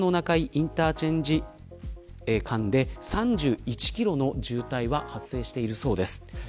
インターチェンジ間で３１キロの渋滞は発生しているそうです。